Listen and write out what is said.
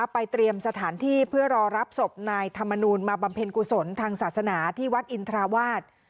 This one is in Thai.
เตรียมสถานที่เพื่อรอรับศพนายธรรมนูลมาบำเพ็ญกุศลทางศาสนาที่วัดอินทราวาส